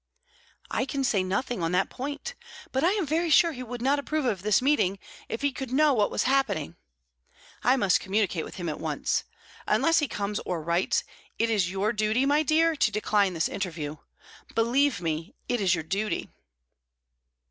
"I can say nothing on that point. But I am very sure that he would not approve of this meeting, if he could know what was happening. I must communicate with him at once. Until he comes, or writes, it is your duty, my dear, to decline this interview. Believe me, it is your duty."